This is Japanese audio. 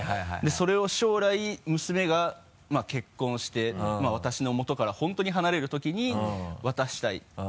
それを将来娘が結婚して私のもとから本当に離れるときに渡したい。